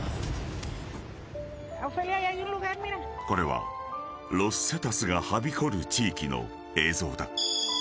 ［これはロス・セタスがはびこる地域の映像だ］